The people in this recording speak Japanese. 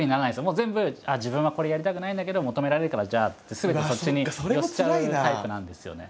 もう全部自分はこれやりたくないんだけど求められるからじゃあってすべてそっちに寄っちゃうタイプなんですよね。